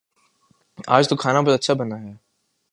آج تو کھانا بہت اچھا بنا ہے